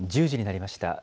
１０時になりました。